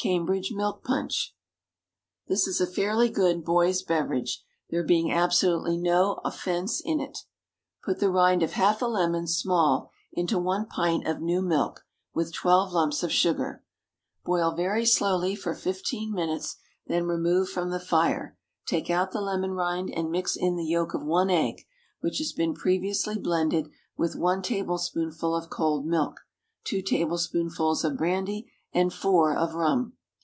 Cambridge Milk Punch. This a fairly good boys' beverage, there being absolutely "no offence in't." Put the rind of half a lemon (small) into one pint of new milk, with twelve lumps of sugar. Boil very slowly for fifteen minutes, then remove from the fire, take out the lemon rind, and mix in the yolk of one egg, which has been previously blended with one tablespoonful of cold milk, two tablespoonfuls of brandy, and four of rum.